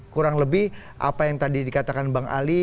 kurang lebih apa yang tadi dikatakan bang ali